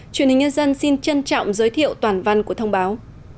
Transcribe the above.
truyền hình nhân dân xin trân trọng giới thiệu toàn văn của thông báo